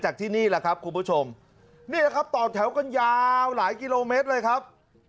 ที่นี่แหละครับคุณผู้ชมนี่แหละครับต่อแถวกันยาวหลายกิโลเมตรเลยครับ